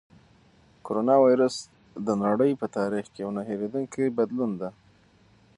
کرونا وېروس د نړۍ په تاریخ کې یو نه هېرېدونکی بدلون دی.